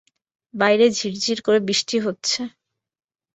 বাইরে ঝিরঝির করে বৃষ্টি হচ্ছে।